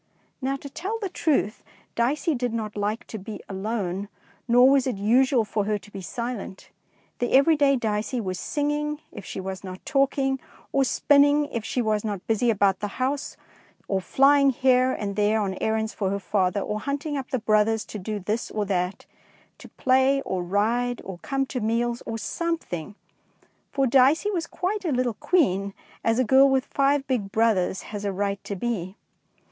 Now, to tell the truth. Dicey did not like to be alone, nor was it usual for her to be silent. The every day Dicey 220 DICEY LANGSTON was singing if she was not talking, or spinning if she was not busy about the house, or flying here and there on errands for her father, or hunting up the brothers to do this or that, — to play or ride, or come to meals or something, — for Dicey was quite a little queen, as a girl with five big brothers has a right to be.